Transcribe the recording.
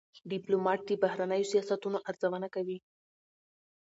ډيپلومات د بهرنیو سیاستونو ارزونه کوي.